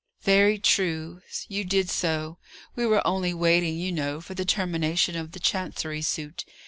"Very true; you did so. We were only waiting, you know, for the termination of the chancery suit.